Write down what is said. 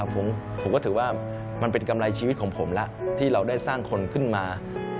ผมก็ถือว่ามันเป็นกำไรชีวิตของผมแล้วที่เราได้สร้างคนขึ้นมา